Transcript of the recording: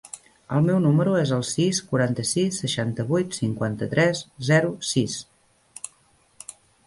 El meu número es el sis, quaranta-sis, seixanta-vuit, cinquanta-tres, zero, sis.